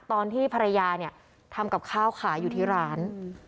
ตอนที่ภรรยาเนี่ยทำกับข้าวขายอยู่ที่ร้าน